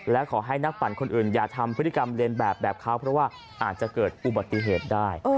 และขอให้นักปั่นคนอื่นอย่าทำพฤติกรรมเรียนแบบแบบเขาเพราะว่าอาจจะเกิดอุบัติเหตุได้